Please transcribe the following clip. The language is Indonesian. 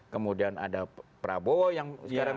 kemudian ada prabowo yang